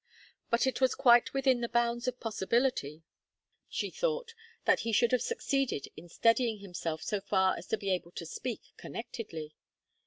But it was quite within the bounds of possibility, she thought, that he should have succeeded in steadying himself so far as to be able to speak connectedly.